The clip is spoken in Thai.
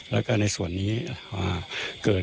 แล้วก็ในส่วนนี้